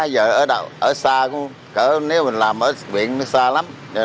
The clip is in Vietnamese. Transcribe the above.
giờ ở xa cũng nếu mình làm ở viện nó xa lắm